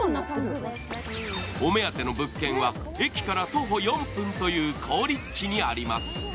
お目当ての物件は駅から徒歩４分という好立地にあります。